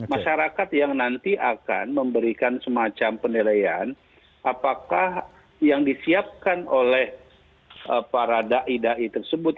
masyarakat yang nanti akan memberikan semacam penilaian apakah yang disiapkan oleh para da'i da'i tersebut